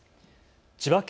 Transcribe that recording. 千葉県